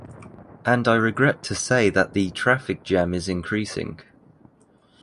And I regret to say that the traffic jam is increasing.